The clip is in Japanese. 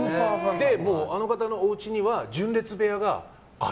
あの方のおうちには純烈部屋がある。